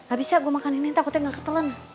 abis itu gue makan ini takutnya gak ketelan